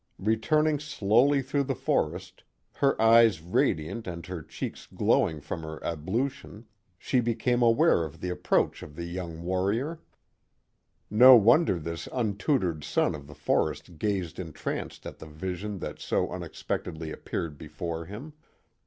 Returning slowly through the forest, her eyes radiant and her cheeks glowing from her ablution, she became 104 The Mohawk Valley aware of the approach of the young warrior. No wonder this untutored son of the forest gazed entranced at the vision that so unexpectedly appeared before him.